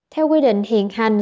theo quy định hiện hành